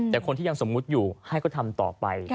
แต่คนที่ยังสมมุติอยู่ให้ก็ทำต่อไป